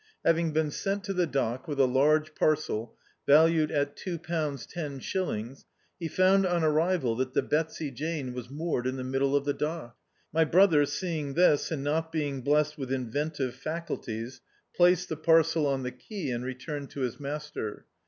Having been sent to the dock with a lai^ parcel valued at two pounds ten shil lings, he found on arrival that the Betsy Jane was moored in the middle of the dock. My brother, seeing this, and not being blessed with inventive faculties, placed the parcel on the quay and returned to his master.